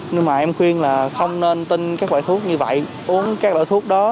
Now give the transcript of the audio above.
nhưng mà em khuyên là không nên tin các loại thuốc như vậy uống các loại thuốc đó